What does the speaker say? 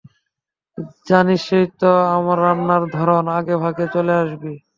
জানিসই তো আমার রান্নার ধরন, - আগেভাগে চলে আসবি।